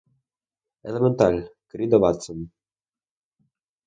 Elemental, querido Watson